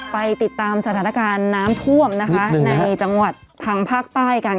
ไปติดตามสถานการณ์น้ำท่วมนะคะในจังหวัดทางภาคใต้กัน